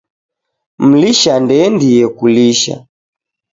Mlisha ndeendie kulisha.